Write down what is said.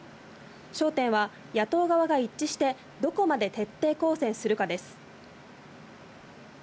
焦点は野党側が一致してどこまで徹底抗戦するかです。